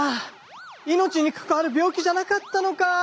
命に関わる病気じゃなかったのか。